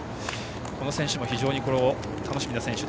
この選手も非常に楽しみな選手。